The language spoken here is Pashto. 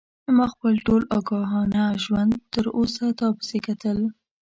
ما خپل ټول آګاهانه ژوند تر اوسه تا پسې کتل.